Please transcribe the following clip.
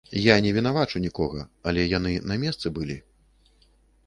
Я не вінавачу нікога, але яны на месцы былі.